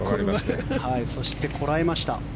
そしてこらえました。